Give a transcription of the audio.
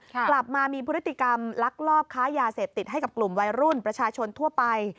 กลับมามีพฤติกรรมลักลอบค้ายาเสพติดให้กับกลุ่มวัยรุ่นประชาชนทั่วไป